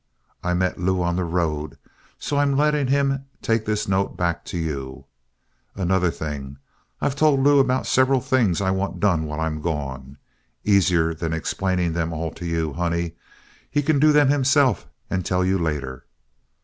I met Lew on the road, so I'm letting him take this note back to you Another thing: I've told Lew about several things I want done while I'm gone. Easier than explaining them all to you, honey, he can do them himself and tell you later.